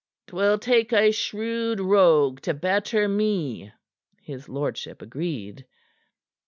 "'Twill take a shrewd rogue to better me," his lordship agreed.